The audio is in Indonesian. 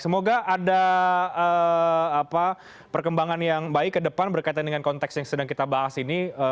semoga ada perkembangan yang baik ke depan berkaitan dengan konteks yang sedang kita bahas ini